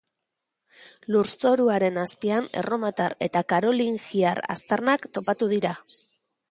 Lurzoruaren azpian erromatar eta karolingiar aztarnak topatu dira.